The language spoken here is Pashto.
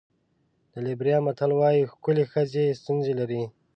د لېبریا متل وایي ښکلې ښځه ستونزې لري.